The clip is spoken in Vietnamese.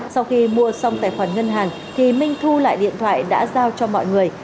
sau khi mua xong tài khoản ngân hàng thì minh thu lại điện thoại đã giao cho mọi người